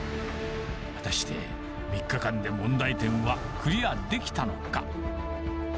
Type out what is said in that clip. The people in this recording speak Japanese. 果たして、３日間で問題点はクリアできたのか。